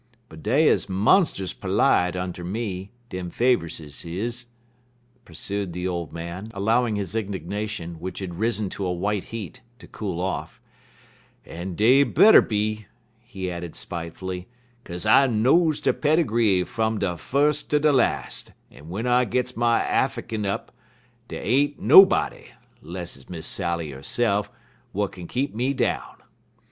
But dey er monst'us perlite unter me, dem Faverses is," pursued the old man, allowing his indignation, which had risen to a white heat, to cool off, "en dey better be," he added spitefully, "kase I knows der pedigree fum de fus' ter de las', en w'en I gits my Affikin up, dey ain't nobody, 'less it's Miss Sally 'erse'f, w'at kin keep me down.